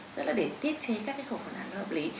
đó là để tiết chế các cái khẩu phần ăn hợp lý